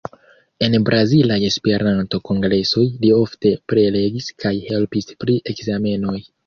En brazilaj Esperanto-kongresoj li ofte prelegis kaj helpis pri ekzamenoj.